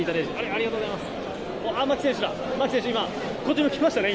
ありがとうございます。